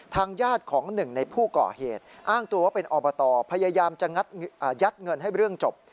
ทางญาติของหนึ่งในผู้ก่อเหตุอ้างตัวว่าเป็นอบตพยายามจะยัดเงินให้เรื่องจบ